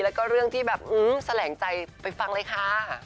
แล้วก็เรื่องที่แบบแสลงใจไปฟังเลยค่ะ